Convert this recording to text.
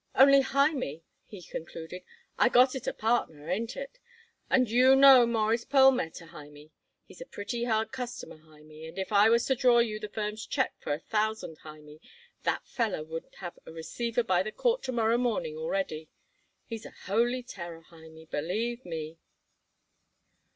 "Only, Hymie," he concluded, "I got it a partner. Ain't it? And you know Mawruss Perlmutter, Hymie. He's a pretty hard customer, Hymie, and if I was to draw you the firm's check for a thousand, Hymie, that feller would have a receiver by the court to morrow morning already. He's a holy terror, Hymie, believe me."